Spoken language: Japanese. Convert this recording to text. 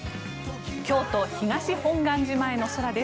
京都・東本願寺前の空です。